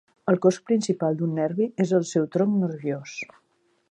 El cos principal d'un nervi és el seu tronc nerviós.